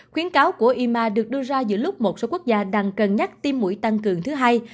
khuyến cáo của yma được đưa ra giữa lúc một số quốc gia đang cân nhắc tim mũi tăng cường thứ hai